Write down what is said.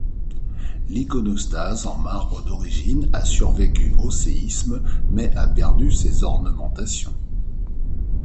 L'iconostase en marbre d'origine a survécu au séisme mais a perdu ses ornementations.